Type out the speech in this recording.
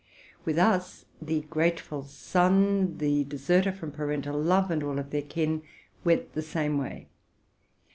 With us, '+ The Grateful Son,'' '* The Deserter from Parental Love,"' and all of their kin, went the same way.